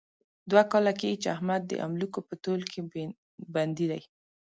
دوه کاله کېږي، چې احمد د املوکو په تول کې بندي دی.